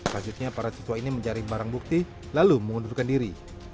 kasusnya para siswa ini menjaring barang bukti lalu mengundurkan diri